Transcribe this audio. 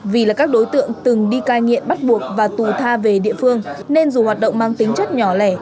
vì là các đối tượng từng đi cai nghiện bắt buộc và tù tha về địa phương nên dù hoạt động mang tính chất nhỏ lẻ